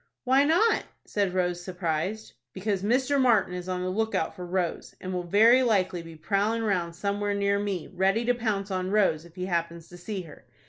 "Why not?" said Rose, surprised. "Because Mr. Martin is on the lookout for Rose, and will very likely be prowling round somewhere near me, ready to pounce on Rose if he happens to see her.